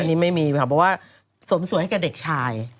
อันนี้ไม่มีบอกว่าสมสวยให้แก่เด็กชาย